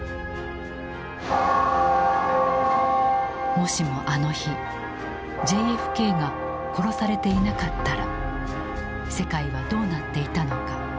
もしもあの日ＪＦＫが殺されていなかったら世界はどうなっていたのか。